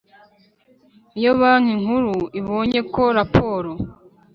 Iyo Banki Nkuru ibonye ko raporo